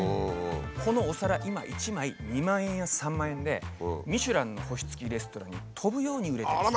このお皿今１枚２万円や３万円でミシュランの星付きレストランに飛ぶように売れてます。